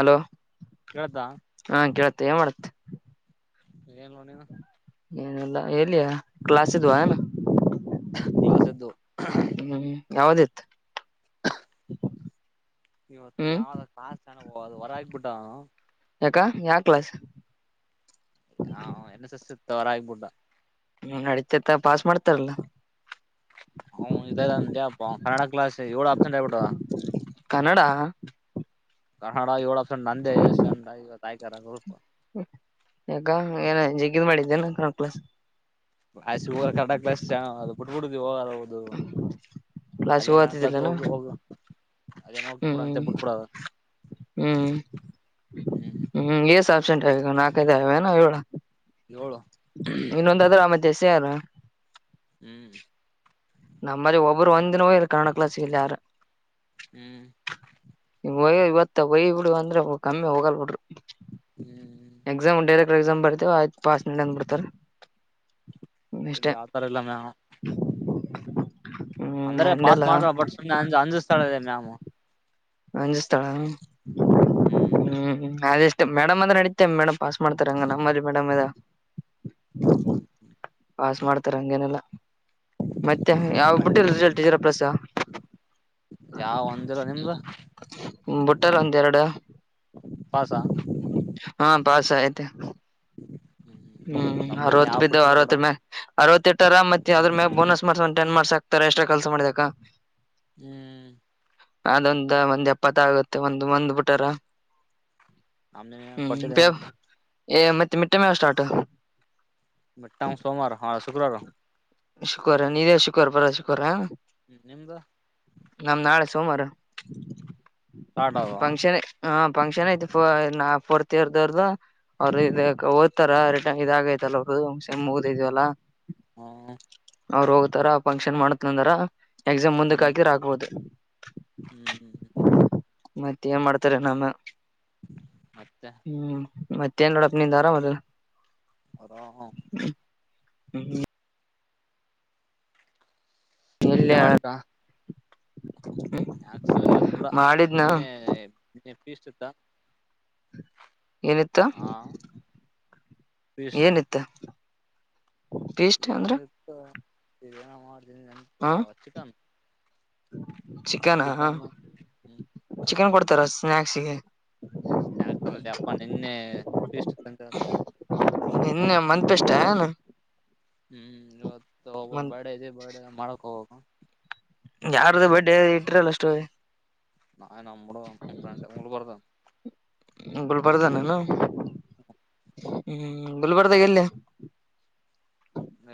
Hello ಕೇಳ್ತಾ ಹಾ ಕೇಳತ್ತೆ ಏನ್ ಮಾಡತ್ ಏನ್ ಲೋನನು ಏನಲ್ಲ ಎಲ್ಲಿಯಾ ಕ್ಲಾಸ್ ಇದ್ವಾ ಏನ ಕ್ಲಾಸ್ ಎದ್ದು ಹ್ಮ್ ಯಾವದೇತ್ ಇವತ್ತು ಯಾವ್ದ ಕಾ ಚ ಹೊರ ಆಗ್ಬಿಟ್ಟ ಯಾಕ ಯಾವ ಕ್ಲಾಸ್ ಹ ಎ ಸಸ್ ತೋರ ಆಗಿಬಟ ಹ್ಮ ಅಡಿತೇತ ಪಾಸ್ ಮಾಡ್ತಾರಲ್ಲ ಹ್ ಇದಾ ಕನ್ನಡ ಕ್ಲಾಸ್ ಎವಳೋ ಆಪ್ಸೆಂಟ್ ಆ್ಬಟ್ಟಾ ಕನ್ನಡ ಕನ್ನನಾಡ ಇವಳ ಫ್ರೆಂಡ್ ನಂದೇ ಡ್ ತಾಯ್ಕರ ಯಗ ಏನ ಜಿಗ್ಗಿದ್ ಮಾಡಿದ್ದೇ ನ ಕ ಕ್ಲ ಆ ಹ ಕಡ ಕ್ಲ ಅ ಬಿುಡ್ಬುಡು ಹೋಗ ಹೌದು ಕ್ಲಾಸ್ ಅದೇ ಕ್ಲಾಸ್ ಹೋಗತಿದ್ದಿಲ್ಲನ ಹೋಗ ಹೋಗ ಅದೇ ನ ಹೋಗಬಡ ಅಂತ ಹ್ಮ್ ಬಿಟ್ಬುಡ ಹ್ಮ್ ಹ್ಮ್ ಎ ಸಾ ನಾಲ್ಕೈಏಳ ಏಳು ಇನ್ನೊಂದಾದ್ರ ಆ ಮ ಸಲ್ಲ ಹ್ಮ್ ನಮ್ಮಲ್ಲಿ ಒಬ್ರು ಒಂದ್ಿನವೋಗ ಇರು ಕನ್ನಡ ಕ್ಲಾಸಲ್ಲಿ ಯಾರು ಹ್ಮ್ ಇವತ್ತ ವಯ ಬಿಡು ಅಂದ್ರೆ ಕಮ್ಮಿ ಹೋಗಲ್ ಬಿಡ್ರರು ಹ್ಮ್ ಎಕ್ಸಾಮ್ ಉ ಎಕ್ಸಾಮ್ ಬರ್ತವ ಆಯ್ತು ಪಾಸ್ಂದ ಬಿಡ್ತಾರ ಇಷ್ಟೇ ಇಲ್ಲಿ ಆತರ ಎಲ್ಲಾಮೇ ಹ್ಮ್ ಅಂದ್ರೆ ಪಾಸ್ ಮಂಡೆಲ್ಲ ಮಾಡ್ತವ ಬಟ್ ಸುಮ್ನೆ ಅಂಜ ಅಂಜಿಸ್ತಾಳ ಇದೆ ಮ್ಯಾಮು ಅಜ ಸ್ಥಳ ಹ್ಮ್ ನದಷ್ಟ ಮೇಡಮ ಅ್ರ ನಡಿತತೆ ಮೇಡಮ್ ಪಾಸ್ ಮಾಡ್ತಾರೆ ಹಂಗ ನಮ್ಮಲ್ಲಿ ಮೇಡ್ ಹ್ಮ್ ಪಾಸ್ ಮಾಡ್ತಾರೆ ಹಂಗೇನೆಲ್ಲ ಮತ್ತೆ ಯಾವ ಬಿಟ್ಟಲ್ಲ ಮತ್ತೆ ರಿಸಲ್ಟ್ರ ಪ್ಲಸ ಯಾವ ಒಂದಿರ ನಿಮ್ದ ಹ್ಮ ಬುಟ್ಟಲ್ಲ ಒಂದ ಎರಡು ಪಾಸ ಹಾ ಪಾಸ ಆತ ಹ್ಮ್ ನಮ್ದ ಇನ್ ಅರವತ್ ಯಾವ್ ಬಿದ್ದ್ ಬಿಟ್ಟಿಲ್ಲ ಕೂಡ ಅರವತ್ತ ಮ ಅರವತ್ತ ಎಟ್ಟರ ಮತ್ತತ್ ಅದ್ರ ಮ ಬೋನಸ್ ಮಾಡ್ಸ ಒ ಟನ್ ಮಾಡ್ಸಕ ತರ ಎಷ್ಟಾ ಕೆಲ್ಸ ಮಾಡ್ದಕ ಹ್ಮ್ ಅದೊಂದ ಒಂದ್ ಎಪ್ಪತ್ತ ಆಗುತ್ತೆ ಒಂದ್ ಒಂದ್ ಬಿಟಾರ ನಮಲೆ ಕೊಟ್ಟಿದೆ ಏ ಮತ್ತ ಮಿಟ್ಟೆ ಮ ಸ್ಟಾರ್ಟ ಮಟ್ಟಟ್ಟಾ ಸೋಮವಾರ ಹಾ ಶುಕ್ರವಾರ ಶುಕರ ನೀ ಶುವರ್ ಪರ ಶುಕರ ಹ್ಮ್ ನಿಮ್ದ ನಾಳೆ ಸೋಮವಾರ ಕಾಟಾವ ಫಂಕ್ಷನ್ ಹ ಫಂಕ್ಷನ್ ಐತಿ ಫೋರ್ತ್ ಇಯರ್ ದರ್ದು ಅವ್ರರು ಇದ ಓದ್ತಾರ ರಿಟರ್ನ್ ಇದಾಗೈತಿ ಮುಗಿದವಲ್ಲ ಹ್ಮ್ ಅವ್ರು ಹೋಗ್ತಾರ ಫಂಕ್ಷನ್ ಮಾಡತ್ನಂದಾರ ಎಕ್ಸಾಮ್ ಮುಂದಕ್ ಹಾಕಿದ ಹಾಕ್ಬಹದು ಹ್ಮ್ ಹ್ಮ್ ಹ್ಮ ಮತ್ತೆ ಏನ್ ಮಾಡ್ತಾರೆ ನಮ್ಮ ಮತ್ತೆ ಹ್ಮ್ ಮತ್ತೆ ತ ರಡಪ್ ನಿ ದಾರ ಮದ ಹರ ಹ್ಮ್ ಹ್ಮ ಎಲ್ಲ ನಿತ್ಯ ಮಾಡಿದ್ದಾ ಯಾಕ್ಸರ್ ಇವತ್ತಲ್ಲ ಮಾಡಿದ್ನ ನಿನ್ನೆ ನಿನ್ನೆ ಪೀಸ್ತ್ತ ಏನಿತ್ತ ಏನಿತ್ತ ಪೀಸ್ಟ್ ಏನ ಅಂದ್ರ ಇತ್ತು ಈ ಏನ ಮಾಡ್ತೀನಿ ನೆನ್ ಚಿಕನ್ ಚಿಕನ ಚಿಕನ್ ಹ್ಮ್ ಚಿಕನ್ ಕೊಡ್ತಾರ ಸ್ನ್ಯಾಕ್ಸ್ ಸ್ನಾಯಕ್ಸ್ ಅಲ್ಲಲ್ಲಿ ಅಪ್ಪ ನಿನ್ನೆ ಷ್ಟ ನಿನ್ನೆ ಮಂತ್ ಟೇಸ್ಟೇನ್. ಹ್ಮು ಇವತ್ತ್ ಒಬ್ಬಂದ್ ಬರ್ಡೇ ಇದೆ ಬರ್ಡೇ ಮಾಡಾಕ್ ಹೋಗಬೇಕು. ಯಾರ್ದು ಬರ್ಡೇ ಇಟ್ರಲ್ಲ ಸ್ಟೋರಿ. ನಾ ಏನ್ [unintelligible] ಫ್ರೆಂಡ್ [unintelligible] ಗುಲ್ಬರ್ದಾನನವ್ವ್ ಹು ಹ್ಮು ಗುಲ್ಬರ್ಗಾದಾಗ್ ಎಲ್ಲಿ.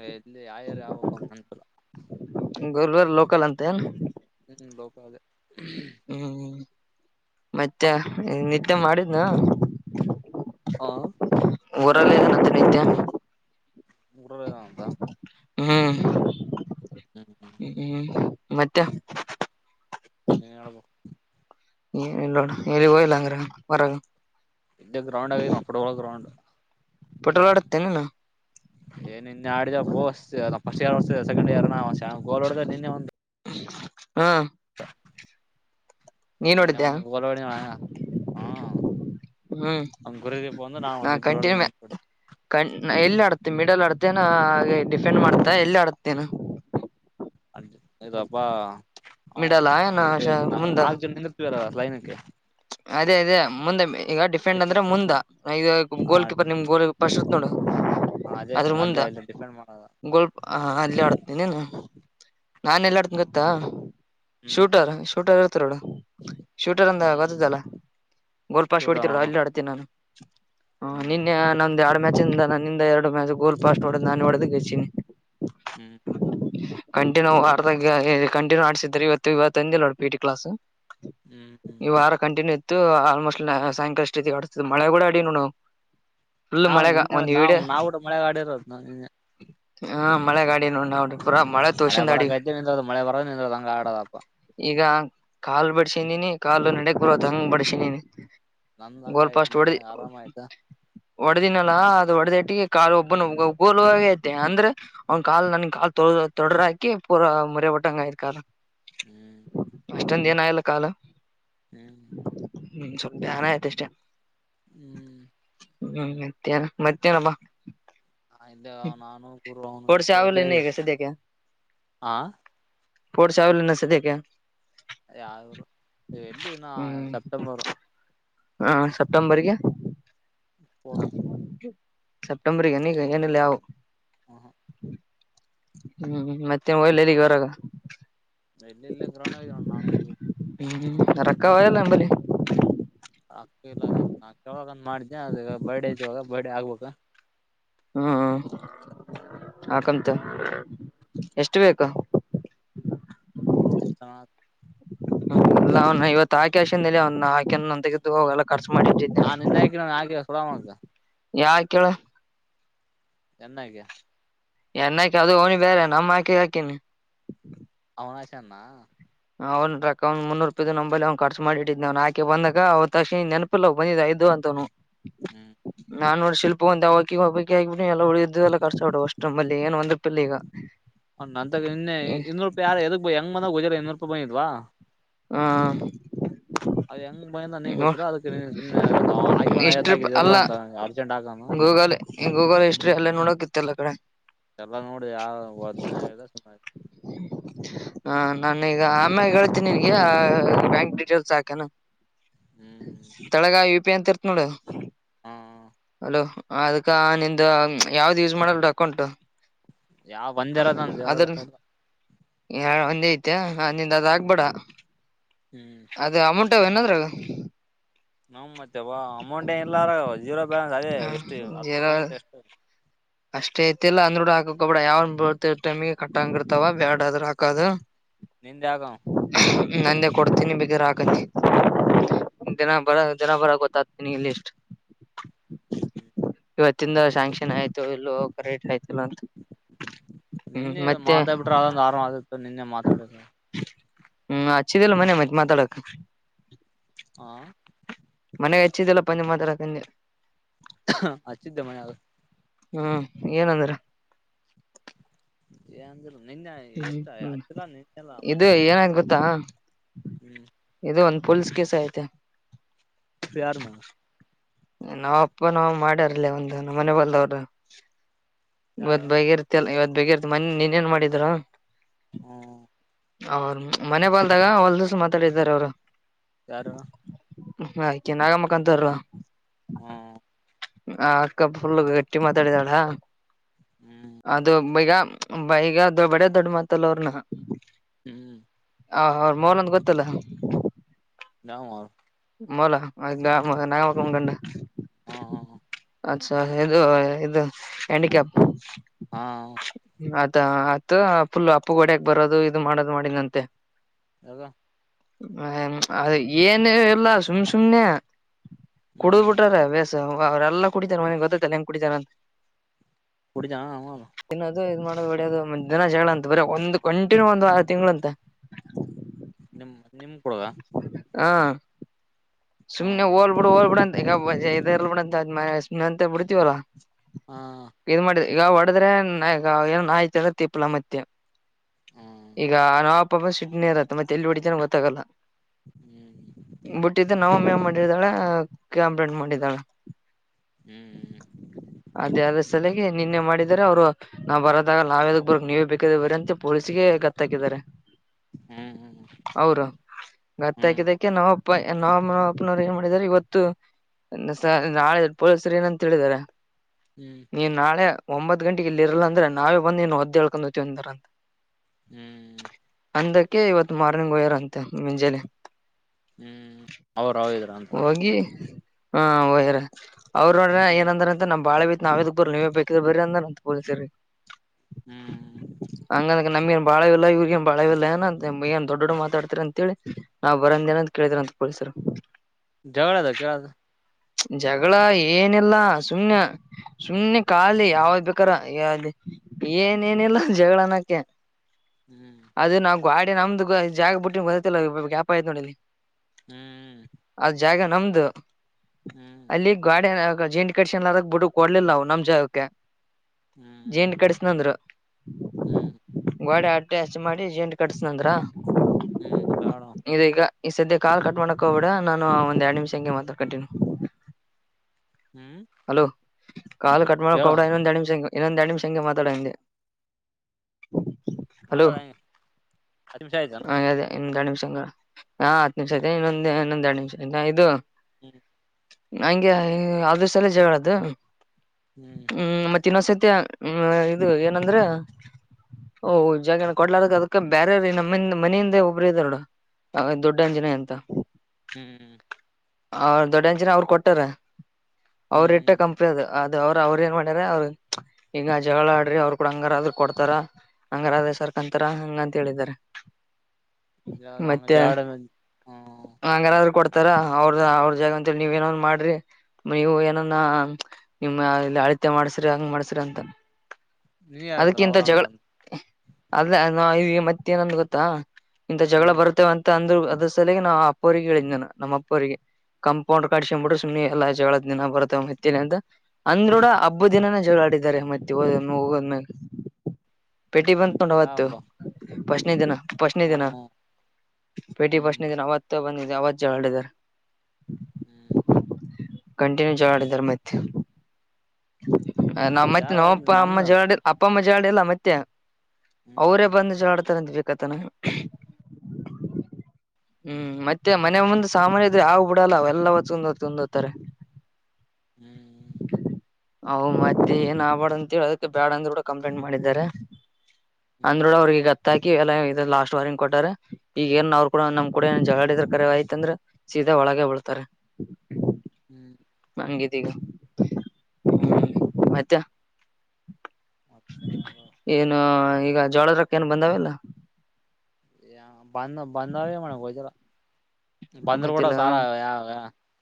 ಎಲ್ಲಿ [unintelligible] [unintelligible] ಲೋಕಲ್ ಅಂತೆ ಏನ್. ಹ್ಮು ಲೋಕ ಅದೆ. ಹ್ಮು ಹ್ಮು. ಮತ್ತ್ಯಾ ನಿದ್ದೆ ಮಾಡಿದ್ನ. ಅ ಊರಲ್ಲಿ [unintelligible] ಊರಲ್ಲಿ ಅದಾನಂತ. ಹ್ಮು ಹ್ಮ್ ಹ್ಮು ಮತ್ತೆ. ನೀನ ಹೇಳ್ಬೇಕ್. ಏನ್ ಇಲ್ಲ ನೋಡ [unintelligible] ಅಂದ್ರ ಹೊರಗ. [unintelligible] ಪೆಟ್ರೋಲ್ ಆಡತ್ತೆ ನೀನು ಎ ನಿನ್ನೇ ಆಡಿ [unintelligible] ಫಸ್ಟ್ ಇಯರ್ [unintelligible] ಸೆಕಂಡ್ ಇಯರ್ನ [unintelligible] ಗೋಲ್ ಹೊಡ್ದೆ ನಿನ್ನೆ ಒಂದು. ಹಾ ನೀನ್ ನಿನ್ನೆ ನೋಡಿದ್ದ್ಯಾ ಒಂದ್ ಗೋಲ್ ಹ್ಮ್ [unintelligible] ಹಾ. [unintelligible] ನ ಎಲ್ಲಿ ಆಡ್ತಿ ಮಿಡಲ್ ಆಡ್ತೇನಾ ಹಾಗೆ ಡಿಫೆಂಡ್ ಮಾಡ್ತಾ ಎಲ್ಲಿ ಆಡ್ತೇನ್. ಅದ್ ಇದಪ್ಪಾ ಅವ್ವ್ ಮಿಡಲ್ ಏನ [unintelligible] ಮುಂದ ನಾಲ್ಕ್ ದಿನದಿಂದ [unintelligible] ಯಾ ಅದೇ ಅದೇ ಮುಂದೋಮ್ಮಿ ಈಗ ಡಿಫೆಂಡ್ ಅಂದ್ರ ಮುಂದಾ ಗೋಲ್ ಕೀಪರ್ ನಿಮ್ಮ್ ಗೋಲ್ ಫಸ್ಟ್ ಇರುತ್ತ್ ನೋಡ್. ಹ ಅದೇ ಅಲ್ಲೇ ಅಲ್ಲೇ ಡಿಪೆಂಡ್ ಮಾಡ ಗೋಲ್ಪ ಹಾ ಅಲ್ಲಿ ಆಡ್ತಿ ನೀನ್ ನಾನ ಎಲ್ಲಿ ಆಡ್ ಗತ್ತಾ ಹ್ಮ್ ಹ್ಮ್ ಶೂಟರ್ ಶೂಟರ್ ಇರ್ತಾರ್ ನೋಡ್ ಶೂಟರ್ ಅಂದ ಗೋ ಹ್ಮ್ [unintelligible] ಗೋಲ್ಪಶ್ ಶೂಟ್ ಹೊಡಿತಿರಲ್ಲ ಅಲ್ಲಿ ಆಡ್ತಿನಿ ನಾನ ಆ ಹ್ಮ್ ನಿನ್ನೆ ನಂದ್ [unintelligible] ಮ್ಯಾಚಿಂದ ನನ್ನಿಂದ ಎರಡು ಮ್ಯಾಚ್ ಗೋಲ್ಫಾಸ್ಟ್ ಹೊಡದ ನಾನೇ ಹೊಡದ ಕಳಿಸೇನಿ. ಹ್ಮು ಕಂಟಿನ್ಯೂ ವಾರದಾಗ್ ಎ ಕಂಟಿನ್ಯೂ ಆಡ್ಸಿದ್ರ ಇವತ್ತು ಇವತ್ತುಂದ [unintelligible] ಪಿಟಿ ಕ್ಲಾಸ್. ಹ್ಮ್ ಹ್ಮ್ ಈ ವಾರ ಇತ್ತು ಆಲ್ಮೋಸ್ಟ್ ಸಾಯಂಕಾಲ ರೀತಿ ಆಡತ್ ಮಳೆ ಕೂಡ ಅಡಿವ ನೋಡ ನಾವ್ ನಾ್ ನಿನ್ನೆ ನಾ್ ನಾವು ಊ ಮಳೆ ಆಡಿರೋದ ನ ನಿನ್ನೆ ಹಾ ಮಳೆ ಗಾಡಿಯನು ನಾವುಡು ಪೂರಾ ಮಳೆ ತೋಸಿಂದ ಅಡಿ ಬರಕೈತೆ ನಿಂದ್ರದು ಮಳೆ ಬರ ನಿಂದ್ರದು ಹಂಗ ಆಡೋದಪ್ಪ ಈಗ ಕಾಲ್ ಬಡಸಿನನಿ ಕಾಲು ನಡೆಗ್ ಬರ್ದು ಹಂಗ್ ಬಡಸಿನನಿ ನಂದಂಗ ಆಯ್ತ್ು ಮನ್ಯಾಗ ಆರಾಮಾಯ್ತಾ ಒಡದಿನಲ್ಲ ಅದು ಒಡದಟ್ಟಿಗೆ ಕಾಲ್ ಒಬ್ಬನ ಒಗುುವಾಗ ಐತೆ ಅಂದ್ರೆ ಅವ ಕಾಲ್ ನನ್ ಕಾಲ್ ತೋ ತೊಡ್ರ ಹಾಕಿ ಪೂರ ಮುರಿ ಬಟ್ಟಂಗ ಆಯ್ ಕಾಲ ಹ್ಮ್ ಅಷ್ಟೊಂದ ಏನಾಯಲ್ಲ ಕಾಲ ಹ್ಮ್ ಹ್ಮ್ ಸ್ವಲ್ಪ ಜಾನ ಆಯ್ತ ಅಷ್ಟೇ ಹ್ಮ್ ಹ್ಮ್ ಮತ್ತೇನ ಮತ್ತೇನಪ್ಪ ಹಾ ಇಲ್ಲೇ ನಾನು ಗರು ಅವನು ಸ್ಪೋರ್ಟ್ಸ್ ಇ ಯಾವಲ್ಲ ಇಲ್ಲೇ ಇನ್ನ ಈಗ ಆಾ ಫೋಡ್ಶ ಅವಲ್ಲ ನಸದ ಕ ಹಾ ಸೆಪ್ಟಂಬರ್ ಹಾ ಸೆಪ್ಟೆಂಬರ್ಗೆ ಸ್ಪೋರ್ಟ್ಸ್ ಸೆಪ್ಟೆಂಬರ್ ನ ಏನೆಲ್ಲವು ಹ ಹ ಹ್ಮ್ ಮತ್ತೆ ಒಳ್ಳಲ್ಲಿಗೆ ಹೊರಾಗ ಎಲ್ಲಲ್ಲಿ ಇಲ್ಲೇ ಗ್ರೌಹಣ ಹೋಗಣ ನಾನು ಕಲಿ ರಕ್ಕಾವಲ್ಲ ಬ ಅಕ್ಕ ಇಲ್ಲ ಅದ ಅಪ್ಪ ನಾ ಅ ಕೆವಾಗ ಮಾಡ್ದೆ ಅದ ಬರ್ಡೇ ಇದಐ್ದವಾಗ ಬರ್ಡೇ ಆಗ್ಬೇಕ ಹ್ಮ್ ಹಕಂತ ಎಷ್ಟು ಬೇಕು ಎಷ್ಟ ಹಲ್ಲ ಅವ್ ಇವತ್ ಆಕೆ ಆಶಿಂದ ಅವ್ನ ಆಾಕೆ ತೆಗೆದುು ಹೋಗ ಎಲ್ಲಾಖರ್ಚ ಹಾ ನಿನ್ನೆ ಆ್ಕನ ಆಾಕುಲಂತ ಯಾ ಕೇಳ ಚನ್ನಾಗ ಎನ್ಾಕಿ ಅದು ನಿ ಬೇರೆ ನಮ್ಮ ಆಕಿ ಹಾಕಿನಿ ಹನಶನಾ ಅವ್ ರ ಒ್ ಮುನ್ನೂರು ರೂಪಾಯಿ್ ನಂಬೈಲೆ ಅವ್ ಖರ್ಚ ಮಾಡಿಿದ್ ಆಕೆ ಬಂದಾಗ ಅವ ತಕ್ಷಣ ನೆಪಿಲ್ಲ ಅವ ಬಂದಿದ್ದ ಐದು ಅಂತ ಹ್ಮ್ ನಾನ್ ನೋಡ ಶಿಲ್ಪ ಒಂದ ಅವಕಿ ಹಬಕಿ ಆಗಿಬ ಎಲ್ಲ ಇದ ಎಲ್ಲ ಕರ್ಸ ಬಿಡು ಅಷ್ಟು ಮಲ್ಲಿ ಏನ್ ಒಂದ ಪಲ್ಲಿಿ ಈಗ ಹಣ್ಣ ಅ ಇನ್ನೆ ಇನ್ನೂರು ರೂಪಾಯ ಯಾರ ಎದಗ್ ಬ ಹೆಂಗ ಬಂದಾಗ ಗಜರ ಇನ್ನೂರು ರಪಿ ಬ ಇದ್ವಾ ಹಾ ಅದ ಹೆಂಗ ಹ ಬಯಂದ ನೀ ಗೊ್ರಾ ಅದಕ್ಕೆ ಸ್ ಆಗಿ ಒಂದ ಯತ್ ಇಷ್ಟ್ರಿ ಆಗಿದ ಇರ್ಲಾ ಅಂತ ಅರ್ಜೆಂಟ್ ಆಗ ಈ ಗೂಗಲ್ ಹಿಸ್ಟ್ರಿ ಅಲ್ಲೇ ನೋಡೋಕಿತ್ತ ಎಲ್ಲ ಕಡೆ ಎಲ್ಲ ನೋಡಿ ಯಾವ ಒತ್ತನೆೇ ಆಗಿದೆ ಸುಮ್ಮತು ಹಾ ನಾನೀಗ ಅಮ್ಮ್ಯ ಹೇಳ್ತೀನಿ ನಿನ್ಗೆ ಬ್ಯಾಂಕ್ ಡೀಟೇಲ್ಸ್ ಹಾಕನು ಹ್ಮ್ ತಳಗ ಯು ಪಿ ಅಂತ ಇರ್ತ್ ನೋಡು ಹಾ ಅಲೋ ಅದ್ಕ್ಕ ನಿ್ದ ಯಾವ್ದ ಯೂಸ್ ಮಾಡಲ್ ಅಕೌಂಟ್ ಯಾವ ಒಂದ್ ಇರೋದ ನಂದ ಅದ ಎರಡು ಅಲ್ಲ ಯ ಒಂದೇ ಐತಿ ಹಂದಿಂದ ಅದ ಆಗ್ಬೇಡ ಹ್ಮ್ ಅದ ಅಮೌಂಟ್ಾವ ಏನಾದ್ರಾಗ ನಮ್ ಮತ್ತೆ ಬ ಅಮೌಂಟ್ ಏಲ್ಲಾರ ಯಜೂರೋ ಬ್ಯಾಂಕ್ ಅದೇ ಎಷ್ಟು ಹತ್ತು ಜೀರ ರೂಪಾಯಿಟ್ ಎಷ್ಟು ಅಷ್ಟೇ ಐತಿಲ್ಲ ಅಂದ್ ಬಿೂಡ ಹಾಕೋ ಬಿಡ ಯಾವ್ ಬಟೈಮಿಗೆ ಕಟ್ಟಂಗಿರ್ತವ ಬ್ಯಾಡ ಅ್ರ್ ಹಾಕೋದು ನಿಂದ ಆಗ ನಂದೆ ಕೊಡ್ತೀನಿ ಬಗರ್ ಹಾಕತಿ ದಿನ ಬರ ದನ ಬರ ಗೊತ್ತಾಗತನಿ ಲಿಸ್ಟ್ ಹ್ಮ್ ಹ್ಮ ಇವತ್ತಿಂದ ಶ ಸಾಂಕ್ಷನ್ ಆಯ್ತು ಇ ಕ ರೇಟ್ ಆಯ್ತು ನಿನ್ನೆ ಮತ್ತೆ ಮಾತಾಡ್ಬಿಟ್ರೆ ಅೊಂದು ಆರಾಮ ಆಗತ್ತು ನಿನ್ನೆ ಮಾತಾಡ ಹ್ಮ್ ಅಚ್ಚಿದಲ್ಲ ಮನೆ ಮತ್ ಮಾತಾಡಕ ಹಾ ಮನೆ ಹಚ್ಚಿದ್ದಿಲ್ಲಪ್ಪ ಅಂದ ಮಾತಾ ಹಾಕೊಂಡ ಹ ಆಚಿದ್ದ ಮನೆ ಹ್ಮ್ ಏನಂದ್ರ ಏ ಅಂದರು ನಿನ್ನೆ ಹ್ಮ್ ಎಷ್ಟ ಹ್ಮ್ ಹಚ್ಚಿಲ್ಲ ನಿನ್ನೆಲ್ಲ ಇದು ಮಣನ ಹಚ್ಚ ಏನಾಯ್ತ್ ಗೊತ್ತಾ ಹ್ಮ್ ಇದು ಒಂದ್ ಪೊಲ್ಸ್ ಕಸ ಆಯತೆ ಪ್ಯಾರ ಮಾ ನಾವ ಅಪ್ಪ ನಾವ್ ಮಾಡ್ಯಾರಲ್ಲ ಒಂದು ನಮ್ಮ ಮನೆ ಬಲ್ದವರು ಯಾರ ಇವತ್ ಬಗಿ ಇರ್ತಲ್ಲ ಇವತ್ ಬೇಗಿರ್ತಿ ಮನೆ ನೀನ್ನ್ ಮಾಡಿದ್ರಾ ಹ್ಮ್ [unintelligible] ಅವ್ರ ಮನೆ ಬಲ್ದಾಗ ಹೊಲ್ ದಸ ಮಾತಾಡಿದಾರ ಅವರು ಯಾರು ಆಯ್ತ ನಾಗಮ್ಮಕ್ಕಾಂತಾರ ಹ್ಮ್ ಆ ಅಕ್ಕ ಫುಲ್ ಗಟ್ಟಿ ಮಾತಾಡಿದಾಳ ಹ್ಮ್ ಅದು ಮಿಗ ಬ ಈಗ ದೊಡ್ ಬಡ ದೊಡ್ಡ ಮಾತಲ್ಲ ಅವ್ರನ ಹ್ಮ್ ಹ ಅವ್ರ ಮೌನೊಂದ ಗೊತ್ತಲ್ಲ ನಾವ ಮಲ ಗಾ ನಕ ಮು ಗಂಡ ಹ ಅಾ ಇದು ಇದು ಹ್ಯಾಂಡಿಕ್ಯಾಪ್ ಹಾ ಅದಾ ಅತ್ ಫುಲ್ ಅಪ್ಪು ಗಡ್ಯಾಕ್ ಬರೋದು ಇದು ಮಾಡೋದು ಮಾಡಿಲ್ಲಂತೆ ಅದ ಹ ಅದ ಏನು ಇಲ್ಲ ಸುಮ್ ಸುಮ್ನೆ ಕುಡುದ್ ಹ್ಮ್ ಬಿಟ್ರಾರ ಬ್ಯಸ್ ಅವ್ರೆಲ್ಲಾ ಕುಡಿತಾರ ಮನೆಗೆ ಗೊತ್ತತ್ತಲ್ಲ ಹೆಂಗ್ ಕುಡಿತಾರಂತ [unintelligible] ಕುಡ ಜ ಅವ ಇ ಇ್ ಮಾಡ ಬಿಡೋದು ದಿನ ಜಗಳ ಅಂತ ಬರ ಒಂದು ಕಂಟಿನ್ಯೂ ಒಂದ ವಾರ ತಿಂಗಳು ಅಂತ ನಿಮ್ ನಿಮ್ ಕುಡಗ ಹಾ ಸುಮ್ನೆ ಹ್ಮ್ ಹೋಲ್ ಬಿಡು ಹೋಲ್ ಬಿಡ ಅಂತ ಈಗ ಇರ್ ಬಿಡಂತ್ಮ ಸುಮ್ನೆ ಅಂತ ಬಿಡ್ತಿೀವಲ್ಲಾ ಹ್ಮ್ ಈಗ ಹೊಡದ್ರೆ ಈಗ ಏನ ಆಾಯ್ತ ತಿಪ್ಪಲ ಮತ್ತೆ ಹ್ಮ್ ಈಗ ನಾಪ್ಪಪ ಸಿಡ್ನ ಇರತ್ತ ಮತ್ತೆ ಎಲ್ಲಿ ಹೊಡಿತನ ಗೊತ್ತಾಗಲ್ಲ ಹ್ಮ್ ಹ್ಮ ಮಮ್ಮಿ ಮಾಡಿದ್ದಾಳ ಕಂಬ್ರಂಡ್ ಮಾಡಿದಾಳ ಹ್ಮ್ ಅದೇ ಅದ ಚಲಗೆ ನಿನ್ನೆ ಮಾಡಿದರೆ ಅವ್ರು ನಾವ್ ಬರೋದಾಗ ನಾವ್್ಯದಕ್ ಬರಕ್ ನೀವೇ ಬೇಕಾದ ಬರಿ ಅಂತ ಪೊಲೀಸ್ಿಗೆ ಗತ್ತಾಕಿದಿದ್ದಾರೆ ಹ್ಮ್ ಅವರ ಹ್ಮ್ ಗತ್ತಾಕಿದಕ್ಕೆ ನಾವ ನಮ್ಮನ ಅಪ್ಪನವ್ರು ಏನ್ ಮಾಡಿದಾರೆ ಇವತ್ತು ನಾಳೆ ಪೋಲೀಸ್ರರು ಏನಂತ ಹೇಳಿದಿದ್ದಾರೆ ಹ್ಮ್ ನೀನ್ ನಾಳೆ ಒಂಬತ್ ಗಂಟೆಗೆ ಇಲ್ಲಿ ಇರಲ್ಲ ಅಂದ್ರೆ ನಾವೇ ಬಂದ ನೀನು ಹೊದ್ದ್ ಹಳ್ಕೊಂಡು ತಿದಾರ ಅಂತ ಹ್ಮ್ ಅಂದಕ್ಕೆ ಇವತ್ ಮಾರ್ನಿಂಗ್ ಹಯ್ಯಾರಂತೆ ಮಿಂಜಲಿ ಹ್ಮ್ ಅವ್ರ ಅವಾವಿದ್ರ ಅಂತ ಹಾ ವಯರ ಅವ್್ರ ನೋಡ್ರ ಹ್ಮ್ ಏನಂದ್ರ ಅಂತೆ ನಮ್ ಬಾಳೆ ಬಿ ನಾವ್ದ ಬರ ನೀವು ಬೇಕ ಬರ ಅಂದ ಅಂತ ಪೋಲ್ಸರಿ ಹ್ಮ್ ಹಂಗಂದ ನಿ ಬಾಳ ಇವ್ರಗ ಏ ಬಾಳ ಇ ಏ ಅ ಏ ದೊಡ್ ದೊಡ್ಡ ಮಾತಡ್ತರಿ ಅಂತೇಳಿ ನಾ್ ಬಂದ ಏ ಅಂತ ಕೇಳಿದ್ರ ಅಂತ ಪಲರಿಸರ ಜವಳ ಅದಕ್ಕೆದು ಜಗಳ ಏನಲ್ಲಾ ಸುಮಮ್ಮನೆ ಸುಮ್ನೆ ಖಾಲಿ ಯಾವ್ದ್ ಬೇಕಾರ ಏನೇಏನಿಲ್ಲ ಜಗಳನಕ್ಕೆ ಹ್ಮ್ ಅದು ನಾವ್ ಗಾಡಿ ನಮ್ದು ಜಾಗ ಬಿಟ್ಟಿ ಗೊತ್ತಲ್ಲ ಗ್ಯಾಪ್ ಆಯತತ್ ನೋಡಲ್ಲಿ ಹ್ಮ್ ಜಾಗ ನಮ್ದು ಹ್ಮ್ ಅಲ್ಲಿ ಗಾಡ ಗ ಜೆಟಿ ಕಸನ್ ಅದಕ್ ಬಿಟ್ಟಕ್ ಕೊಡ್ಲಿಲ್ಲಾವು ನಮ್ ಜಾಗಕ್ಕೆ ಜೇಂಡಿ ಹ್ಮ್ ಕಡಸನಂದರು ಹ್ಮ್ ಗಾಡೆ ಆ ಅಷ್ಟು ಮಾಡಿ ಜಂಡ ಕಟ್ಸನಂದ್ರ ಹ್ಮ್ ಬಾಳ ಈ ಸದ್ಯ ಕಾಲ್ ಕಟ್ ಮಾಡಕಹೂಗಬಡ ನಾನು ಒಂದ ಎರಡ್ ನಿಮಿಷ ಹಂ ಮಾತಾಡ್ ಕಟ್ಟೀನಿ ಹ್ಮ್ ಕಾಲು ಕಟ್ಟ ಮಾಡೋ ಹೇಳ ಕೂಡ ಇನ್ನೊಂದಂದು ನಿಮಷ ಇನ್ನೊಂದ ಎ ನಿಮಿಷಕ್ಕೆಗೆ ಮಾತಾಡಿ ಮಾತಾಡ ಹಂಗೆ ಹತ್ತುಮಿಷ ಆಯ್ತಾನ ಇನ್ನ ಎರಡು ನಿಮಷ ಹಾ ಹತ್ತು ನಿಮಿಷ ಇದೆ ಇೊಂದ್ ಇನ್ನೊಂದ ಎರಡು ನಿಮಿಷ ಇದು ಹ್ಮ ಹಂಗೆ ಆ ದಿವಸಲ ಜಗಳ್ದ ಹ್ಮ್ ಇನೋಸತಿ ಹ ಇದು ಏನಂದ್ರೆ ಓಹ ಜಾಗರಣ ಕೊಡ್ಲಾರಕ್ ಅದಕ್ಕೆ ಬ್ಯರ್ರ ನಮ್ಮ ಮನೆಯಿಂದೆ ಒಬ್ಬರು ಇದಾರೋಡ ಹಾಗ ದೊಡ್ಡಂಜನಯ ಹಂತ ಹ್ಮ್ ಅವ ದೊಡ್ಡಂ ಜನ ಅವ್ರ ಕೊಟ್ಟಾರ ಅವ್ರ ಇಟ್ಟ ಹ್ಮ್ ಕಂಪ್ನಿ ಅದ ಅದು ಅವರು ಅವರು ಏನ್ ಮಾಡ್ಯಾರ ಅವರು ಈಗ ಜಗಳ ಆಡ್ರಿ ಅವ್ರು ಕೂಡ ಹಂಗಾರ ಆದ್ರರು ಕೊಡ್ತಾರ ಹಂಗಾರಾದ್ರ ಸರ್ಕಂತರ ಹಂಗ ಅಂತ ಹೇಳಿದ್ದಾರೆ ಹಂಗ ಮತ್ತೆ ಜಾಡ ಹ್ಮ ಅಂಗಾರಾದ್ರರು ಕೊಡ್ತ ತರ ಅವ್ರದ ಅವ್ರ ಜಾಗ ಅಂತ ನೀವಏನೋಂದ್ ಮಾಡ್ರಿ ನೀವು ಏನಾನ ನಿಮ್ಮ ಅಳತ್ಯ ಮಾಡ್ಸ್ರಿ ಹಂಗ ಮಾಡ್ಸ್ರಿ ಅಂತಾನ ನೀ ಯಾರಂದ್ರ ಅದಕ್ಕಿಂತ ಅವ್ರ ಜಗಳ ಅಂದ್ರಂದ ಅದ ಈಗ ಮತ್ತೆ ಏನಂದು ಗೊತ್ತಾ ಇಂಥ ಜಗಳ ಹ್ಮ್ ಬರುತ್ತೇವ ಅಂತ ಅಂದ್ ಅದ್ರ ಸಲಯಗೆ ನಾವು ಅಪ್ಪ ಅವ್ರರಿಗೆ ಹೇಳಿದ್ ನಾನ ನಮ್ಮ ಅಪ್ಪವರಿಗೆ ಕಂಪೌಂಡ್ ಕಡ್ಸಕೊಂಡ್ ಬಿಟ್ಟು ಸುಮ್ಮನೆ ಎಲ್ಲ ಜಗಳದ ದಿನ ಬರ್ತಾವ ಮತ್ತಲಿ ಅಂತ ಅಂದ್ರೂಡ ಹಬ್ಬ ದಿನ ಆಡಿದ್ದಾರೆ ಮತ್ತೆ ಹ ಹೋಗೋದ್ಮೇಲೆ ಪೆಟಿ ಬಂದಕೊಂಡ ಅವತ್ತು ಯಾಬ್ಬಾ ಪಸ್ನಿ ದಿನ ಪಸ್ನ ದಿನ ಹ್ಮ್ ಭೇಟಿ ಹ್ಮ್ ಪಸ್ಣ ದಿನ ಅವತ್ತ ಬಂದಿ ಅವತ್ತು ಜಗಳ ಆಡಿದರೆ ಹ್ಮ್ ಕಂಟಿನ್ಯೂ ಜಗಳ ಅಡೇರ ಮತ್ತೆ ನಮ್ಮ್ ಮತ್ತೆ ಜಾಗ ಇಲ್ಲಿ ನಮ್ಮಪ್ಪ ಅಮ್ಮ ನಮ್ದಣ ಜಾ ಅಪ್ಪ ಅಮ್ಮ ಜಗಳ ಆಡಿಲ್ಲ ಮತ್ತೆ ಅವರೇ ಹ್ಮ್ ಬಂದು ಜಗಳ ಆಡ್ತಾರೆಂತ ಬತಾನ ಹ್ಮ್ ಮತ್ತೆ ಮನೆ ಮುಂದ ಸಾಮಾನ್ಯ ಇದೆ ಯಾವ್ ಬಿಡಲ್ಲ ಅವ ಎಲ್ಲ ಹೊತ್ ಕುಂದ ಹೊ ಕುಂದೋಗತಾರೆ ಹ್ಮ್ ಹ್ಮ ಹ ಮತ್ತೆ ಏನ್ ಆಬೇಡ ಅಂತಿ ಅದಕ್ಕೆ ಬ್ಯಾಡ ಅಂದ ಕೂಡ ಕಂಪ್ಲೇಂಟ್ ಮಾಡಿದ್ದಾರೆ ಹ್ಮ್ ಅಂದ್ರೋಡ ಅವ್ರರಿಗೆಗತ್ತ ಹಾಕ ಎಲ್ಲ ಲಾಸ್ಟ್ ವಾರ್ನಿಂಗ್ ಕೊಟ್ಟಾರೆ ಈಗ ಏನ್ ಅವ್ ಕೂಡ ನಮ್ ಕೂಡ ಏ ಜಗಳಡ ಕರೆ ಆಯ್ತ ಅಂದ್ರೆ ಇದ ಒಳಗೆ ಬಳ್ತಾರೆ ಹ್ಮ್ ಹೆಂಗಿದೆ ಈಗ ಹ ಮತ್ತೆ ಏನು ಈ ಈಗ ಜೋಳದ್ರಕ್ಕ ಏನ್ ಬಂದಾವೆಲ್ಲ ಯ ಬಾ ಬಾಧಾವ ಮಾಡೋ ಹೋಧೀಲ ಬಂದರು ಕೂಡ ಗೊತ್ತಿಲ್ಲ. ಸಾಲ ಯಾವಾಗ